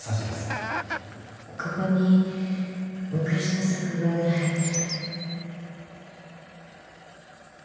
ここに昔の作文入ってるから。